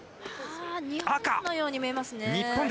日本のように見えますね。